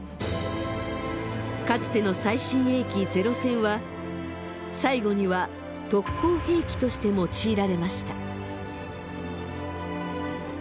かつての最新鋭機ゼロ戦は最後には特攻兵器として用いられました。